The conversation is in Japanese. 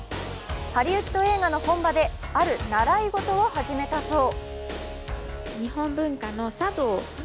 ハリウッド映画の本場である習い事を始めたそう。